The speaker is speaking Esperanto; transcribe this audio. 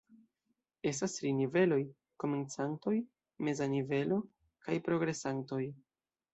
Estas tri niveloj: komencantoj, meza nivelo kaj progresantoj.